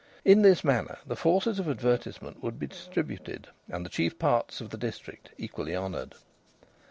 In this manner the forces of advertisement would be distributed, and the chief parts of the district equally honoured.